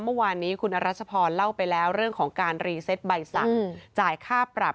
เมื่อวานนี้คุณอรัชพรเล่าไปแล้วเรื่องของการรีเซตใบสั่งจ่ายค่าปรับ